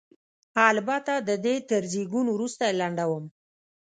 البته د دې تر زېږون وروسته یې لنډوم.